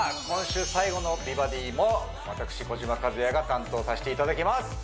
今週最後の「美バディ」も私児嶋一哉が担当させていただきます！